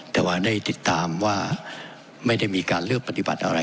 แต่ว่าได้ติดตามว่าไม่ได้มีการเลือกปฏิบัติอะไร